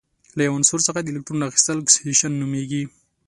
له یو عنصر څخه د الکترون اخیستل اکسیدیشن نومیږي.